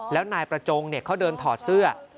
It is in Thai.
แล้วนายประจงเขาเดินถอดเสื้อ